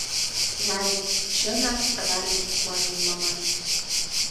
— Рай, чынак рай! — куанен Мамаев.